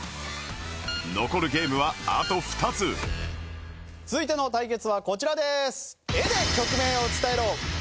残るゲームはあと２つ続いての対決はこちらです。